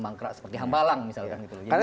mengakar sebagai hambalang misalkan karena